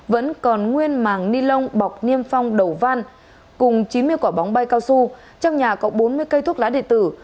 vẫn còn nguyên màng ni lông bọc niêm phong đầu van cùng chín mươi quả bóng bay cao su trong nhà có bốn mươi cây thuốc lá điện tử